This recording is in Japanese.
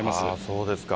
そうですか。